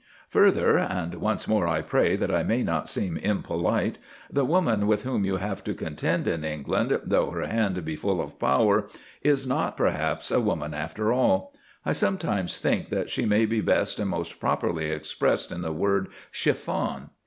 Further, and once more I pray that I may not seem impolite, the woman with whom you have to contend in England, though her hand be full of power, is not, perhaps, a woman, after all. I sometimes think that she may be best and most properly expressed in the word "Chiffon."